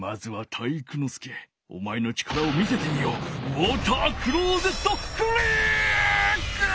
ウォータークローゼットクリック！